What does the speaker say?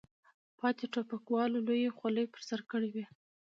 پاتې ټوپکوالو لویې خولۍ په سر کړې وې.